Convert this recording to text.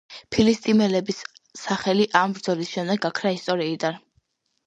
ფილისტიმელების სახელი ამ ბრძოლის შემდეგ გაქრა ისტორიიდან.